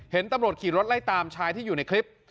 เห็นตำรวจขี่รถไล่ตามชายที่อยู่ในคลิป